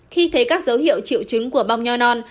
khi thấy các dấu hiệu triệu chứng của bong nho non